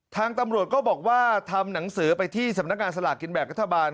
ทางตำรวจก็บอกว่าทำหนังสือไปที่สำนักงานสลากกินแบ่งรัฐบาล